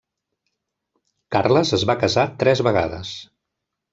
Carles es va casar tres vegades.